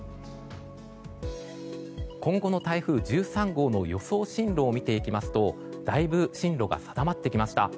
今後の台風１３号の予想進路を見ていきますとだいぶ進路が定まってきました。